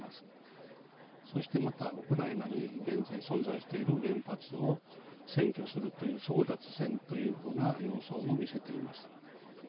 そしてまたウクライナに現在存在している原発を占拠するという争奪戦というふうな様相も見せています。